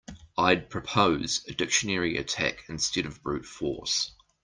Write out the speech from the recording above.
I'd propose a dictionary attack instead of brute force.